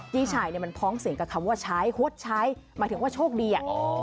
พี่ชายเนี่ยมันพ้องเสียงกับคำว่าใช้ฮดใช้หมายถึงว่าโชคดี